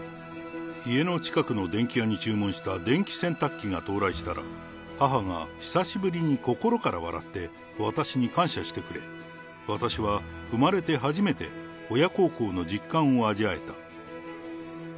家の近くの電気屋に注文した電気洗濯機が到来したら、母が久しぶりに心から笑って、私に感謝してくれ、私は生まれて初めて親孝行の実感を味わえた。